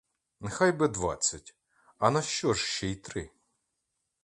Нехай би двадцять, а нащо ж ще й три?